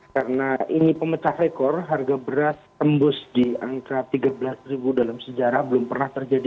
karena ini pemecah rekor harga beras tembus di angka tiga belas ribu dalam sejarah belum pernah terjadi